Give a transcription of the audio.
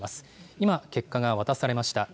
今、結果が渡されました。